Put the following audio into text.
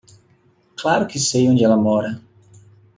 Claro que sei onde ela mora.